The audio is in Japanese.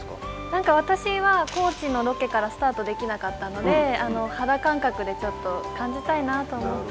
何か私は高知のロケからスタートできなかったので肌感覚でちょっと感じたいなと思って。